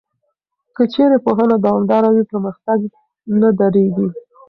که چېرې پوهنه دوامداره وي، پرمختګ نه درېږي.